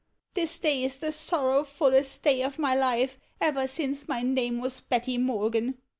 This day is the sorrow fullest <lay of my life, ever since my name was Hetty Morgan.